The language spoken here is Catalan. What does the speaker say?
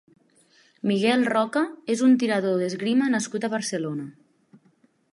Miguel Roca és un tirador d'esgrima nascut a Barcelona.